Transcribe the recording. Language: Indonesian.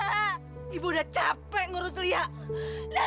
tak ada apa apa yang harus wijakin weda